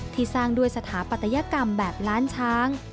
ที่สร้างด้วยสถาปัตยกรรมแบบล้านช้าง